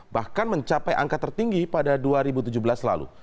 bahkan mencapai angka tertinggi pada dua ribu tujuh belas lalu